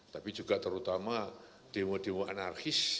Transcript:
tapi juga terutama demo demo anarkis